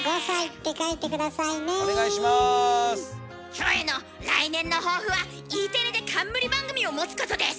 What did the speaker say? キョエの来年の抱負はＥテレで冠番組を持つことです！